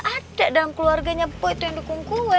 kayak dalam keluarganya boy itu yang dukung gue